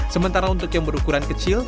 sementara untuk yang berukuran kecil